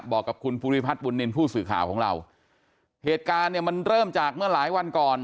บอกกับคุณภูริพัฒนบุญนินทร์ผู้สื่อข่าวของเราเหตุการณ์เนี่ยมันเริ่มจากเมื่อหลายวันก่อน